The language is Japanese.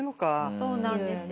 そうなんですよ。